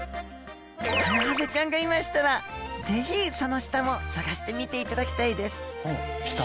ハナハゼちゃんがいましたらぜひその下も探してみていただきたいですうん下？